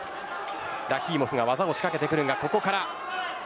ラヒーモフが技を仕掛けてくるがここから。